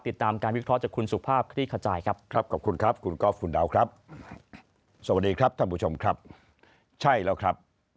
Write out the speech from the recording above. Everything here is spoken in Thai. ติดตามการวิเคราะห์จากคุณสุขภาพคลีกภาจัยครับ